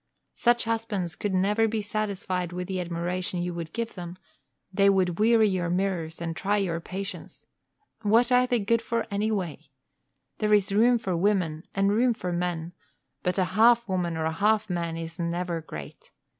Such husbands never could be satisfied with the admiration you would give them; they would weary your mirrors and try your patience. What are they good for, anyway? There is room for women and room for men, but a half woman or a half man is never great.